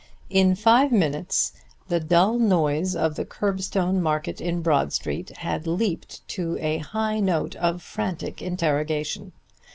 In five minutes the dull noise of the curbstone market in Broad Street had leaped to a high note of frantic interrogation.